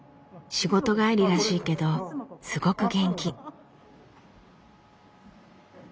仕事帰りらしいけどすごく元気。